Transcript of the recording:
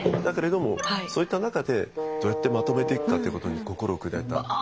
だけれどもそういった中でどうやってまとめていくかっていうことに心を砕いた。